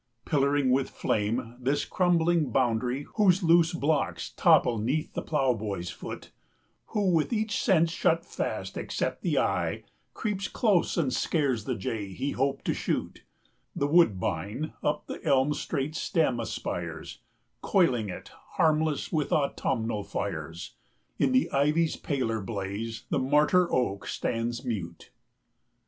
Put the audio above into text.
Pillaring with flame this crumbling boundary, 85 Whose loose blocks topple 'neath the ploughboy's foot, Who, with each sense shut fast except the eye, Creeps close and scares the jay he hoped to shoot, The woodbine up the elm's straight stem aspires, Coiling it, harmless, with autumnal fires; 90 In the ivy's paler blaze the martyr oak stands mute.